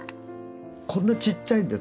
こんなちっちゃいんです。